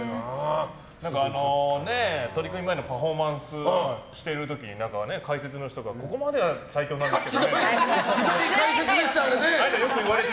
取組前のパフォーマンスしてる時に解説の人が、ここまでは最強なんですけどねって。